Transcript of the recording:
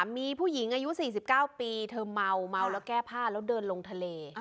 มีผู้หญิงอายุ๔๙ปีเธอเมาและแก้ผ้าเดินตามทะเล